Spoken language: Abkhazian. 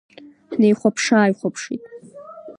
Ҳнеихәаԥшыааихәаԥшит.